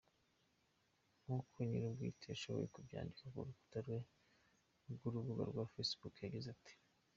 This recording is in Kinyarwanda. Nk’uko nyirubwite yashoboye kubyandika ku rukuta rwe rw’urubuga rwa Facebook yagize ati: